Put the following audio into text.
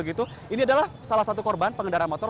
ini adalah salah satu korban pengendaraan